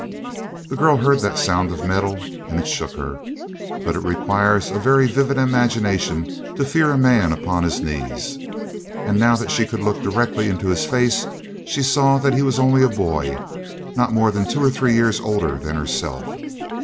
The girl heard that sound of metal and it shook her; but it requires a very vivid imagination to fear a man upon his knees. And now that she could look directly into his face, she saw that he was only a boy, not more than two or three years older than herself.